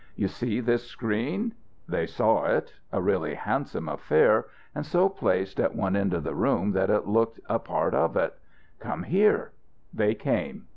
"You see this screen?" They saw it. A really handsome affair, and so placed at one end of the room that it looked a part of it. "Come here." They came.